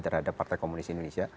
terhadap partai komunis indonesia